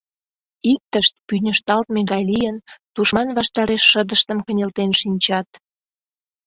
Иктышт, пӱньышталтме гай лийын, тушман ваштареш шыдыштым кынелтен шинчат.